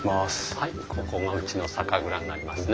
はいここがうちの酒蔵になりますね。